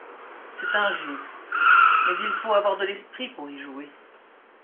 C’est un jeu ; mais il faut avoir de l’esprit pour y jouer…